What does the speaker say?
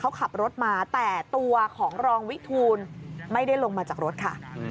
เขาขับรถมาแต่ตัวของรองวิทูลไม่ได้ลงมาจากรถค่ะ